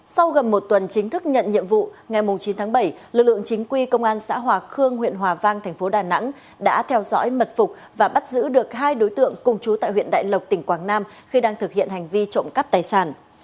sau gần một tuần chính thức nhận nhiệm vụ ngày chín tháng bảy lực lượng chính quy công an xã hòa khương huyện hòa vang thành phố đà nẵng đã theo dõi mật phục và bắt giữ được hai đối tượng cùng chú tại huyện đại lộc tỉnh quảng nam khi đang thực hiện hành vi trộm cắp tài sản